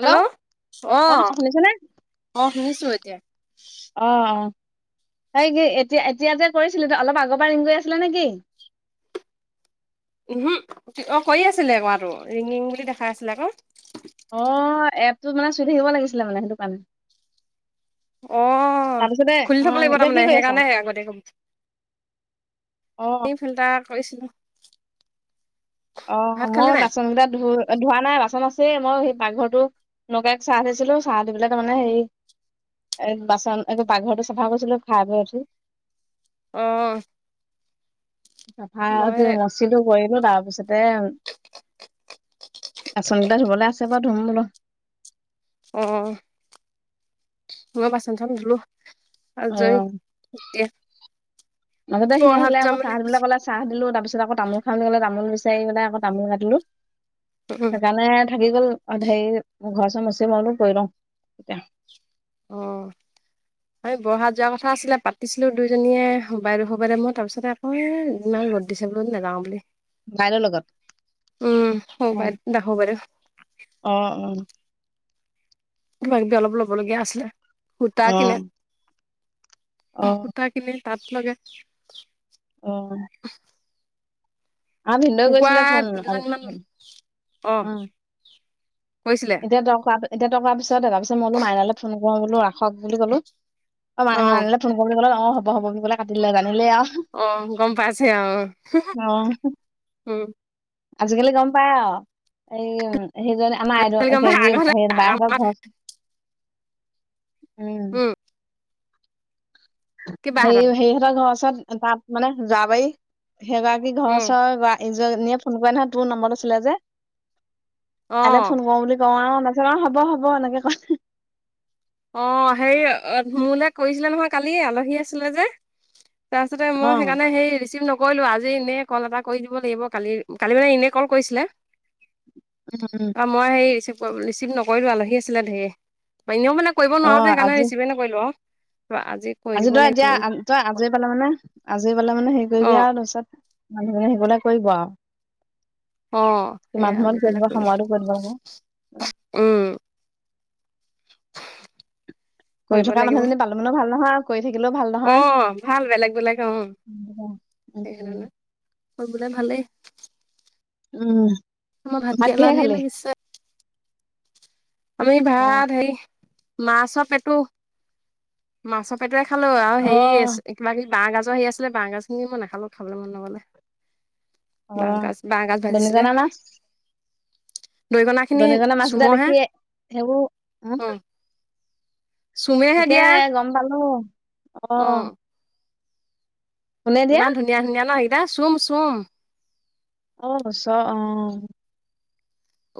Hello অ আহ শুনিছেনে? আহ শুনিছো এতিয়া। সেই কি এতিয়া এতিয়া যে কৰিছিলো অলপ আগৰ পৰা ৰিং কৰি আছিলে নেকি? উ হম হু অ ক আছিলে কোৱাাতটো ৰিং ৰিং বুলি দেখাই আছিলে আকৌশ তোৰ মানে চুই থাকিব লাগিছিলে মানে সেইটো কাৰণে। অ তাৰপিছতে খুলি অ থব লাগিব এতিয়া কি তাৰমানে কৰি আছা? সেইকাৰণে অ আগতে ফিল্টাৰ। কৰিছিলো। অ ভাত খালি মই নাই বাচন গকেইটা ধ ধোৱা নাই বাচন আছে। মই সেই পাকঘৰটো নগাই চাহ দিছিলোঁ চাহ দি পেলাই তাৰ মমানে হেৰি বাচন এক পাকঘৰটো চাফা কৰিছিলোঁ খাই বৈ উঠি। অ। [unintelligible] মই মচিলো গৈ । বলো তাৰপিছতে বাচন কেইটা ধুবলৈ আছে বাৰু ধুম বোলো। অ মই বাচন ধুলো। অ আজৰি এতিয়া মাজতে সি বৰহাত আহিলে যাম আকৌ বুলি কৈছে চাহবিলাক ক'লে চাহ দিলো তাৰ পিছত আকৌ তামোল খাম বুলি ক'লে তামোল চাৰি গেলাই আকৌ তামলকাটিলো। উম সেইকাৰণে থাকি গ'ল হেৰি ঘৰ। [unintelligible] অ এই বৰষা যোৱা কথা আছিলে পাতিছিলো দুইজনীয়ে হ বাইদেউ সোবাইে মই তাৰপিছতে মই ইমান ৰ'দ দিছে বোলো নাযাও বুলি বাইদেউৰ লগত উম অ হ' ব [unintelligible] অ কিবাাকিবি অলপ ল'বলগীয়া আছিলে। সুতা অ কিনে। অ সূতা কিনে। তাত লগে। অহ । আহ ভিনন্দৌ কুকুৰা গৈছিলে ফোন দুজনীমান অ। কৈছিলে এতিয়া তই কৰা, এতিয়া তই কোৱা পিছত ভাবিছো মাইনালৈ ফোন কৰো বোলো বোলো আ । হওক বুলি ক'লো। অ মাইনা মাইনা ফোন কৰো বোলো অ হব হব বুলি কাটিলে জানিলে আউঁ। অ গম পাইছে আহ অ উম। আজিকালি গম পায় আৰু এই সেইজন। অ গম পাই সেৰি আগতে হে বাই হতৰ আমাৰ ঘ ওচ উম। সেই কিবাহঁতৰ সেইহঁতৰ ঘৰৰ ওচৰত। তাত মানে যাবাই। সেইগৰাকী ঘৰৰ উম চৰৰ বা। এইযনিয়ে ফোন কৰে নহয় তোৰ নম্বৰটো আছিলে যে। অ এয়ালে ফোন কৰো বুলি। নজগাওঁ হব হ'ব এনেকে কয়। অ হেৰি মোলে কৰিছিলে নহয় কালি আলহী আছিলে যে তাৰপাছতে মই অ সেইকাৰনে সেই ৰিচিভ নকো ৰিলো আজি এনেই কল এটা কৰি দিব লাগিব। কালি কালি মানে এনে কল কৰিছিলে। উম উম অ মই হেৰি ৰিচিভ নকৰিলো আলহী আছিলে ধেৰ। এনেইও মানে কৰিব অ নোৱাৰো যে সেইকাৰণ আজি ৰিচিভেই নকৰিলোঁ আও। আজি তই এতিয়া তই আজৰি পালে মানে, আজৰি পালে মানে হেৰি অ কৰিবি আৰু তাৰপিছত মানুহজনী আহিবলে [inaudible] আও অ সেইয়াই আজি পালে কই দিম, সময়তো কৰি দিব লাগে উম। [inaudible] কৰি থকা মানুহজনী পালো, মানো ভাল নহয় কৰি থাক অহ, ভাল বেলেগ বেলেগ অ উম সেইকাৰণে কৰিবলে ভালেই উম। আমাৰ ভাত কেৰেলা কিহে ঢেৰ খালি লাগিছে। আমি অ ভাত হেৰি মাছৰ পেটো মাছৰ পেটোৱে খালো আৰু হেৰি আছিল কিবা সেই বাঁহ গাজৰ হেৰি আছিলে, বাঁহ গাজখিনি মই নাখালো খাবলৈ মন নগলে। অ বাঁহ গাজ, বাঁহ গাজ ভাজিছিলে। দৰিকণা খিনি দৰিকণা মাছ কেইটা চুমৰহে দেখিয়ে, সেইবোৰ হ অ' চুমেহে তাকে দিয়া গম পালো। অহ। অ' ইমান ধুনীয়া ধুনীয়া ন সে চুম চুম অহ চ, অ।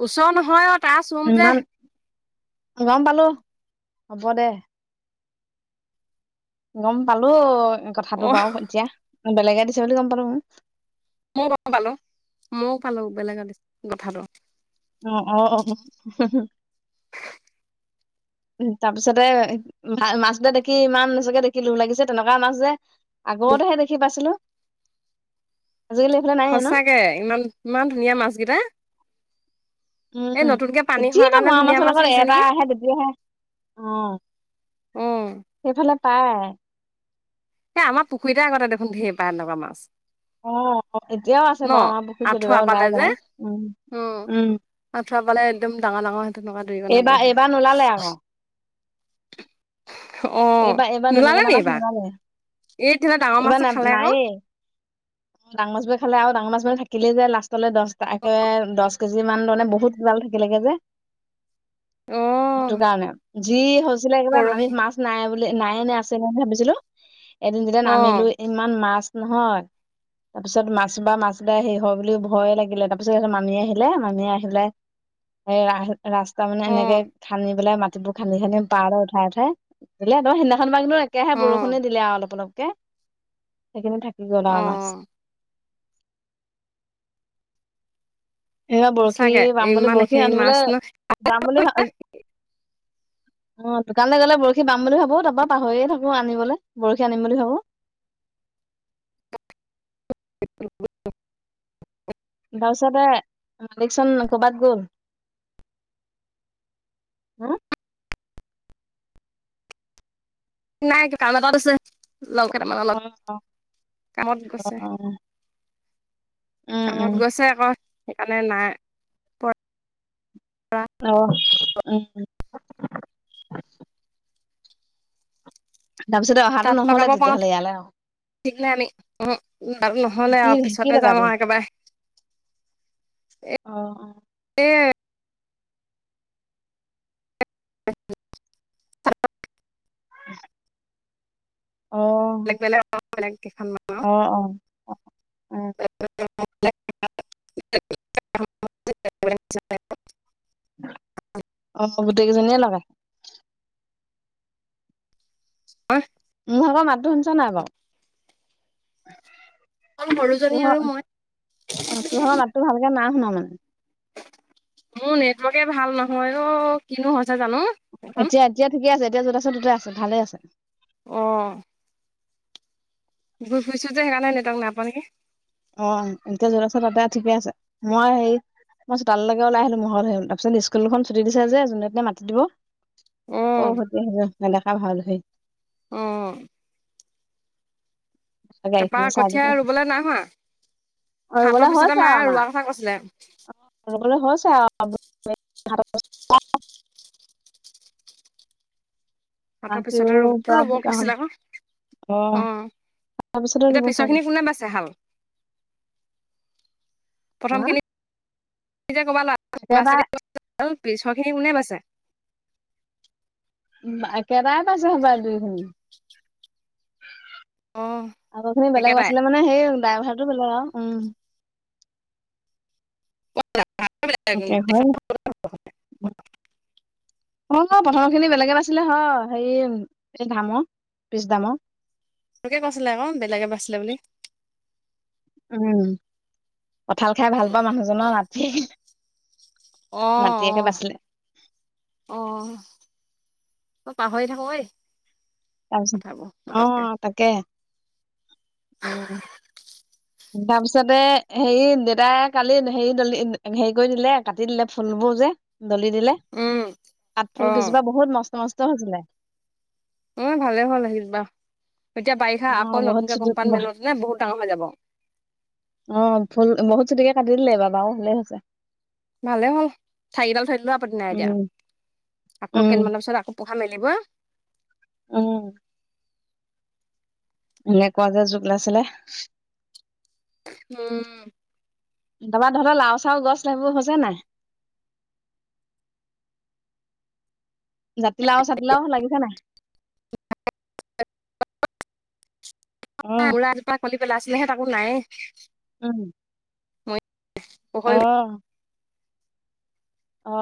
ওচৰ নহয় পাছ চুম যে ইমান গম পালো, হ'ব দে। গম পালো কথাটো অ' বাৰু ইতিয়া বেলেগে দিছে বুলি গম পালোঁ নহয়। মই গম পালোঁ, মইও পালোঁ বেলেগে দিছে কথাটো। অ-অ-অ, তাৰপিছতে ভাল মাছ এটা দেখি ইমান নিজকে দেখি লোভ লাগিছে, তেনেকা মাছ যে আগতেহে দেখি পাইছিলোঁ। সঁচাকে ইমান, ইমান ধুনীয়া মাছ কেইটা। উম, কেতিয়াবা কাৰণে মোৱা ধুনীয়া মাছৰ মাছ লগত আহিছে এটা নেকি আহে তেতিয়া হে, অহ উম পাই এই আমাৰ পুখুৰীতে আগতে দেখোন ধেৰ পাই তেনেকুৱা মাছ। অহ এতিয়াও আছে ন বাৰু আমাৰ পুখুৰীত আঁঠুৱা কেতিয়াবা পালে ওলাই যে বাওঁ অহ- উম! আঁঠুৱা পালে একদম ডাঙৰ ডাঙৰ সেই তেনেকুৱা ধৰিব এইবাৰ নাব়ে এইবাৰ নোলালে আকৌ [unintelligible] [inaudible] এইবাৰ এইবাৰ দনী- নোলালে কণা নি মাছ এইবাৰ নোলালে। এই তেতিয়াহলে ডাঙৰ এইবাৰ না মাছটোৱে খালে আকৌ নায়েই। ডাঙৰ মাছবোৰে খালে আৰু ডাঙৰ মাছবোৰ থাকিলে যে লা দে দ [unintelligible] কেজি মান মানে বহুত গাল থাকিলেগে যে অ সেইটো কাৰণে যি হৈছে আছিলে একবম [unintelligible] আমি বৰশী মাছ নাই বে নাই নে আছে বা ভাবিছিলোঁ। এদিন যেতিয়া অ নামিলোঁ ইমান মাছ। নহয় তাৰপিছত মাছ বা মাছ সেৰি হয় বুলি ভয়ে লাগিলে তাৰপিছত মামি আহিলে মামী আহিলে সে ৰা ৰাস্তা মানে অ এনেকে খান্দি পেলাই মা সকলো খান্দি খান্দি পাৰ দু উঠাই উঠাই বলে তম সেইদিনাখন বা নো [unintelligible] এয়া হে অ বৰষুনে দিলে আঅ অলপ অলপ। সেইি থাকে [unintelligible] গ'ল আ অ মাছ এ বৰশী সঁচাকে বাম বুলি ইমান বৰশী এইখিনি মাছ আনিবলৈ ন যাম বুলি ভ অ দোকানলৈ গ'লে বৰশী বাম বুলি ভাবো তাৰপৰা পাহৰিয়ে থাকোঁ আনিবলৈ বৰশী আনিম বুলি ভাবো। [inaudible] তাৰপিছতে মালিকচন কৰ'বাত গ'ল হা নাই কি কাম এটাট আছে। লগৰ কেইটামান অ লগত অ কামত অ গৈছে, অ উম কামত উম গৈছে আকৌ সেইকাৰণে নাই। আহ উম। তাৰপিছতে অহাটো নহলে তেতিয়াহ'লে ইয়ালে আৰু। এামি, উ। নহলে কি আৰু কি পিছতে যাম লগাবি আৰু একেবাৰে, অ এ এ। [unintelligible] উ। বেলেগ বেলে। হয়। আহ অ, উম। [unintelligible] [inaudible] উ। অ। ত আকৰ মাতটো শুনিছ নাই বৌ। [unintelligible] অকল সৰুজনী আৰু তুহৰ মই অ তোহৰ লাতটো ভালকে না। [unintelligible] শু [unintelligible] মোৰ নেটৱৰ্কে ভাল নহয় অ, কিনো হৈছে জানো। এখন এতিয়া এতিয়া ঠিক আছে এতিয়া য'ত আছে ত'তে আছে। ভালে আছে। আহ। ঘূৰি ফুইছো যে সেইকাৰণ নাই ন তক নাপকে। [unintelligible] অ এতিয়া য'ৰাচৰ তাতে আ ঠিকেই আছে মই হেৰি মই চোতালৈকেওলাই আহিলো মৰত সল তাৰপিছত স্কুল দুখন ছুটি দিছে যে যোনে এনে মাতি দিব। [unintelligible] আকৌ অ' সতি নেদেখা ভাল। [unintelligible] হয়। আহ। তাৰপা গাড়ীখনৰ কঠীয়া ৰুবলৈ নাই হোৱা। সাতৰ বলৈ পিছতে হৈছে আৰু মায়ে আমাৰ, ৰোৱা কথা কৈছিলে অবলৈ হৈছে আৰু। [unintelligible] আ ধ। [unintelligible] [inaudible] তাতৰ পিছতে ৰব ৰ'ব বোকা হ'ল কৈছিল, আকৌ, অ তাৰপিছতে এতিয়া ৰুব চাগে পিছৰখিনি কোনে পাইছে ভাল। [unintelligible] অ প্ৰথমখিনি। ব একেবাৰে খিনি কোনে। [unintelligible] ছ। একেটাৰে পাইছে হবা দুইখনি। অ' আগৰ খিনি বেলেগ একেটাই আছিলে মানে সেই ড্ৰাই ভাৰটো বেলেগ আৰু। উম [unintelligible] প। [unintelligible] হয় [unintelligible] অঁ মই প্ৰথমখিনি বেলেগ [unintelligible] পছিলে হ হেৰি এই দামৰ পিছ দামৰ তোকে কৈছিলে আকৌ বেলেগে বাছিলে বুলি। উম! কঁঠাল খাই ভালপোৱা মানুহজনৰ [unintelligible] [inaudible] নাতিয়েকে অঁ-অঁ! বাচিলে অঁ অ পাহৰি থাকোঁ ঐ। তাৰপিছত কথাবোৰ পতককে আহ তাকে উম! তাৰপিছতে হেৰি দেউতাই কালি হেৰি দলি হেৰি কৰি দিলে, কাটি দিলে ফুলবোৰ যে। দলি দিলে, উম অ পাতফুল কিজোপা বহুত মস্ত-মস্ত। [unintelligible] ছিলে উম ভালে হ'ল আহিবা। এতিয়া বাৰিষা অ আকৌ বহুত নতুনকে চুটি কুঁহিপাত মেলোঁতে নে বহুত ডাঙৰ হৈ যাব। অ ফুল বহুত চুটিকে কাটি দিলে বা-বাও ভালে হৈছে। ভালে হ'ল ঠাৰিডাল থৈ দিলোঁ আপত্তি নাই এতিয়া। উম আকৌ উম কেইদিনমানৰ পিছত আকৌ পোঁখা মেলিব‌ই উম! এনেকুৱা যে জোক [unintelligible] ছিলে উম! তাবা তহঁতৰ লাও-চাউ গছ সেইবোৰ হৈছে নাই? জাতিলাও-ছাতিলাও লাগিছে নাই? [unintelligible] অ [unintelligible] কলি পেলাছিলে হে তাকো নাইয়েই। উম! মই আহ! অঁ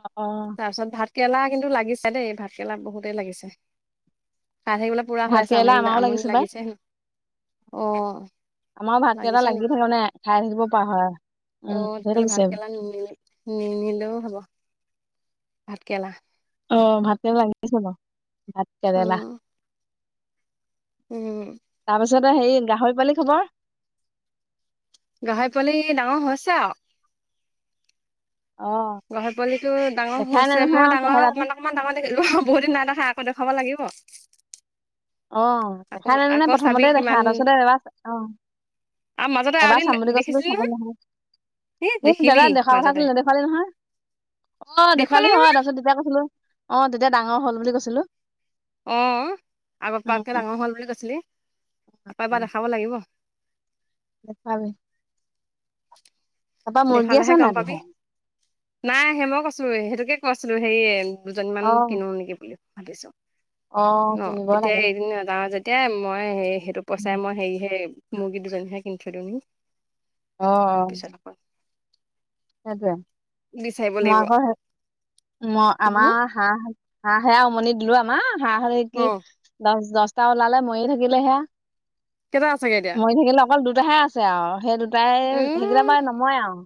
তাৰপিছত ভাত কেৰেলা কিন্তু লাগিছে দেই, ভাতকেৰেলা বহুতেই লাগিছে। খাই থাকিবলৈ পুৰা হৈ ভাত আছে কেৰেলা আমাৰো আমনি-আমনি পাই লাগিছে মোৰ। অহ আমাৰ ভাতকেইটা লাগিছে লাগি থাকে নি? মানে খাই থাকিব পৰা হয় অ উম ধেৰ তেনেহলে লাগিছে ভাতকৰেলা নি [unintelligible] নিনিলেও হ'ব? ভাতকেৰেলা। অ ভাতকেৰেলা লাগিছে বাও। ভাতকেৰেলা। উম উম! তাৰপিছতে হেৰি গাহৰি পোৱালি খবৰ? গাহৰি পোৱালি ডাঙৰ হৈছে আৱ অ গাহৰি পোৱালিটো ডাঙৰ দেখাই নাই হৈছে, নহয় মই আৰু ডাঙৰ চেহেৰাটো অ' অকমান ডাঙৰ দেখিলো বহুত দিন নাই দেখা । দেখুৱাব লাগিব। অ' আকৌ দেখাই নাই নহয় আকৌ চাবি প্ৰথমতে দেখা কিমান তাৰপিছত এবাৰ আহ আৰু মাজতে আৰু এবাৰ এদিন চাম বুলি কৈছিলো দেখিছিলি চাব নহয় ন'হল। এ এই দেখিলি দাদা দেখা কথা মাজতে কলো দেখুৱালি নহয় অ' দেখুৱালি দেখুৱালো নহয় হয় তাৰপিছত তেতিয়া কৈছিলো অ' । এতিয়া ডাঙৰ হ'ল বুলি কৈছিলো। অ'। আগত উম বাৰকৈ ডাঙৰ হ'ল বুলি কৈছিলি আকৌ এবাৰ দেখাব লাগিব। দেখাবি। তাপা মুৰ্গী দেখালেহে আছে গম নাই তোৰ পাবি ঘৰত। নাই, সেই মই কৈছো সেইটোকে কৈছিলো হেৰি। দুজনী মান অ কিনো নেকি বুলি। ভাগিছো অ' কিনিব এতিয়া লাগে এৰি নাযাও যে এ মই হেৰি সেইটো পইচাই মই হেৰি হে মুৰ্গী দুইজনীহে কিনি থ‌ই দিও নেকি? অহ। পিছত আকৌ সেইটোৱে বিচাৰিব মই লাগিব আগৰ হে ম আমাৰ হাঁহ । হাঁহে উমনি দিলো আমাৰ হাঁহ আৰু এই কি, অ দহ-দশ। তা ওলালে মৰি থাকিলে হেয়া। কেইটা আছেগে এতিয়া মৰি থাকিলে অকল দু টাহে আছে আৰু সেই দু প্ৰায় সেইকেইটা উম পৰা নমৰে আৰু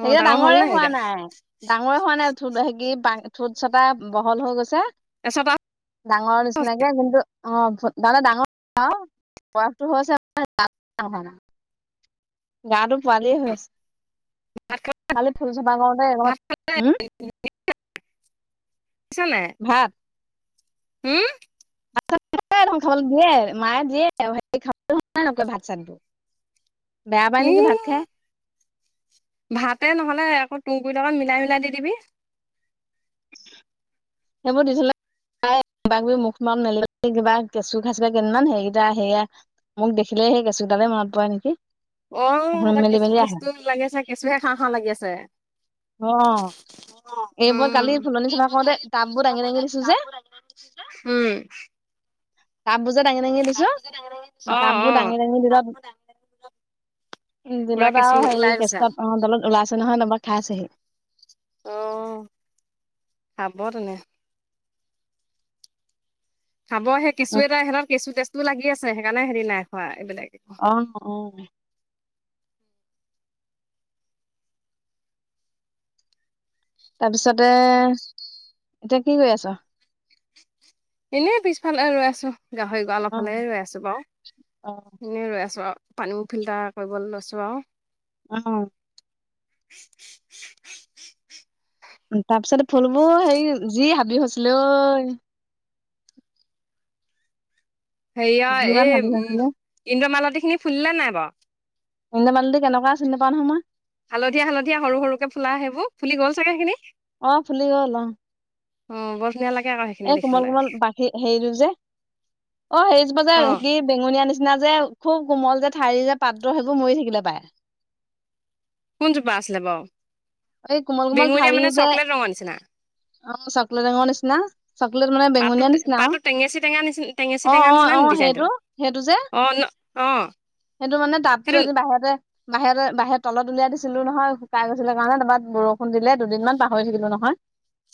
অ সেইয়া ডাঙৰ হ'ল ডাঙৰে নে হোৱা এতিয়া নাই, ডাঙৰে হোৱা নাই উঠো সেকি। পা ঠোট চটা বহল হৈ গৈছে। এচটা ভাত ডাঙৰ নিচিনাকে কিন্তু অ' দাদা ডাঙৰ আউ বয়সটো হৈছে, গাটো পোৱালি। খা কালি ফুল চপা কৰোতে এনকা ভাত উম'। ভাত। হুম। য়ে ধান খাবলৈ দিয়ে, মায়ে দিয়ে ভাত চাত উম ভাতে নহ'লে আকৌ। তুংগুৰি লগত মিলাই মিলাই দি দিবি। সেইবোৰ দি থলে খাই কিবা কিবি মুখ খন মেলিবলে নে কিবা কেঁচু খাইচা কেইমান হেৰিকেইটা সেয়া মোক দেখিলে সেই কেঁচুডালে মনত পৰে নেকি? অ সিহঁতে মেলি কেঁচু মেলি টেচ্ আহে লাগে চাগে? কেঁচুহে খাঁও খাঁও লাগি আছে। অ' এই মই উম কালি ফুলনি চাফা কৰোঁতে টাব বোৰ দাঙি দাঙি দিছো যে। উম টাববোৰ যে দাঙি দাঙি দিছো, অ অ টাববোৰ দাঙি দাঙি দিলত পুৰা দিলত কেঁচু আৰু ওলাই হেৰি গৈছে কেছত অ দলত ওলাইছে নহয় [unintelligible] খাইছে হে। আহ আবতনে। খাবহে কেঁচু উ এটা হেত কেচু টেচু লাগি আছে। সেইকাৰণে সেহতি নাই খোৱা এইবিলাক । অম অ তাৰপিছতে এতিয়া কি কৰি আছ । এনেই পিছফালে ৰৈ আছো । গাহৰি গৰাল অ ফালে ৰৈ আছোঁ অ বাৰু এনেই ৰৈ আছোঁ আৰু পানী ফিল্টাৰ কৰিবলৈ লৈছো আৰু অহ [unintelligible] তাৰ পিছতে ফুলবোৰ হেৰি যি হাবি হৈছিলো ঐ হেৰিয়া যিমান এই হাবি উম হৈছিলে ইন্দ্ৰমালতী খিনি ফুলিলে নাই বাৰু? ইন্দ্ৰমালতী কেনেকুৱা চিনি নেপাওঁ নহয় মই হালধীয়া হালধীয়া সৰু সৰুকে ফুলা সেইবোৰ ফুলি গ'ল চাগে সেইখিনি । অ ফুলি গ'ল অ অ বৰ ধুনীয়া লাগে আকৌ সেইখিনি এ কোমল দেখিবলৈ কোমল বাকী হেৰিটো যে অ সেইজোপা যে অ কি বেঙুনীয়া নিচি নিচিনা যে খুব কোমল যে ঠাৰি যে পাত্ৰ সেইবোৰ মৰি থাকিলে পায় । কোনজোপা আছিলে বাৰু এই কোমল কোমল বেঙুনীয়া ঠাৰি মানে যে চকলেট ৰঙৰ নিচিনা অ চকলেট ৰঙৰ নিচিনা । চকলেট মানে পাতটো বেঙনীয়া নিচিনা আৰু পাতটো টেঙেচি টেঙা নিচিনা টেঙেচি অ টেঙা অ নিচিনা অ নি ডিজাইনটো সেইটো সেইটো যে অ ন অ সেইটো মানে টাবটো সেইটো এ বাহিৰতে বাহিৰত বাহিৰত তলত উলিয়াই দিছিলো নহয় শুকাই গৈছিলে । [unintelligible] বৰষুণ দিলে দুদিনমান পাহৰি থাকিলো নহয়